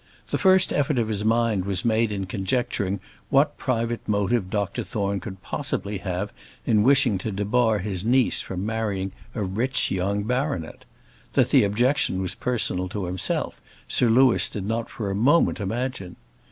The first effort of his mind was made in conjecturing what private motive Dr Thorne could possibly have in wishing to debar his niece from marrying a rich young baronet. That the objection was personal to himself, Sir Louis did not for a moment imagine.